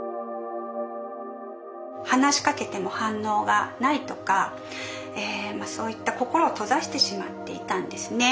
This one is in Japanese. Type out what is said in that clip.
話しかけても反応がないとかそういった心を閉ざしてしまっていたんですね。